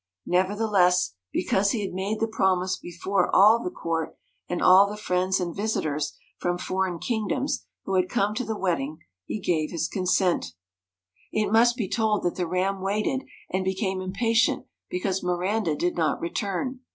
Nevertheless, because he had made the promise before all the court and all the friends and visitors from foreign kingdoms who had come to the wedding, he gave his consent. 158 It must be told that the Ram waited and became MIRANDA impatient because Miranda did not return.